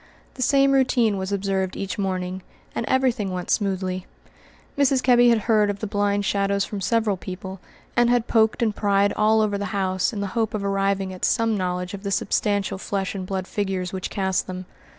The same routine was observed each morning, and everything went smoothly. Mrs. Kebby had heard of the blind shadows from several people, and had poked and pryed about all over the house in the hope of arriving at some knowledge of the substantial flesh and blood figures which cast them.